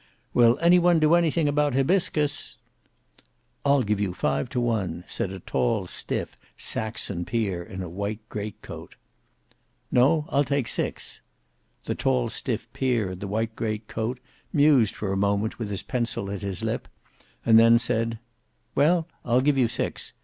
"Will any one do anything about Hybiscus?" "I'll give you five to one," said a tall, stiff Saxon peer, in a white great coat. "No; I'll take six." The tall, stiff peer in the white great coat mused for a moment with his pencil at his lip, and then said, "Well, I'll give you six.